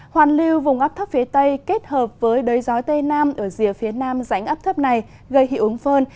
hoàn lưu vùng ấp thấp phía tây kết hợp với đới gió tây nam ở rìa phía nam rãnh áp thấp này gây hiệu ứng phơn